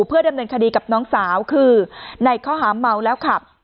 เพื่อดำเนินคดีกับน้องสาวคือในข้อหาเมาแล้วขับ